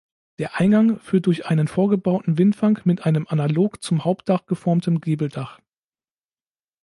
Der Eingang führt durch einen vorgebauten Windfang mit einem analog zum Hauptdach geformten Giebeldach.